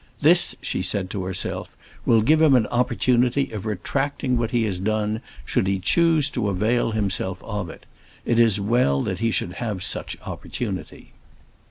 "This," she said to herself, "will give him an opportunity of retracting what he has done should he choose to avail himself of it. It is well he should have such opportunity."